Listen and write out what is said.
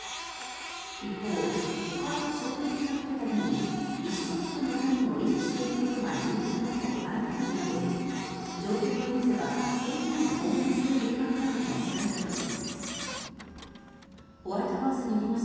一方、誤解や衝突を避けるために意思疎通のラインを維持していくことが重要だと改めて述べ状況が許せば改めて北京を訪問する計画だとも伝えたとしています。